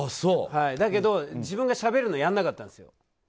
だけど、自分がしゃべるのはやらなかったんですよ。